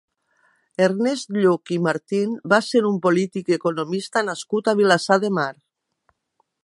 Ernest Lluch i Martín va ser un politic i economista nascut a Vilassar de Mar.